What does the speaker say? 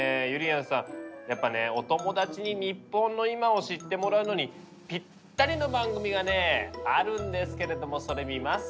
やっぱねお友達に日本の今を知ってもらうのにぴったりの番組がねあるんですけれどもそれ見ます？